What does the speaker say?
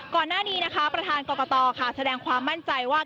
ก่อนหน้านี้นะคะประธานกรกตค่ะแสดงความมั่นใจว่า